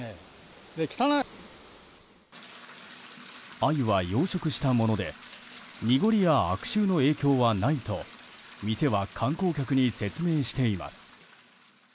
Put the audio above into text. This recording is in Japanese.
アユは養殖したもので濁りや悪臭の影響はないと店は観光客に説明しています。